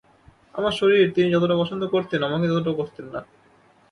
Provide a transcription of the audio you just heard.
আমার শরীর তিনি যতটা পছন্দ করতেন আমাকে ততটা করতেন না।